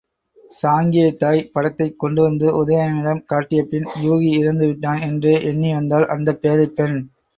சாங்கியத் தாய், படத்தைக் கொண்டுவந்து உதயணனிடம் காட்டியபின் யூகி இறந்துவிட்டான் என்றே எண்ணி வந்தாள் அந்தப் பேதைப் பெண்.